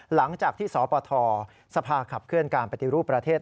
หลังจากที่สปทสภาขับเคลื่อนการปฏิรูปประเทศ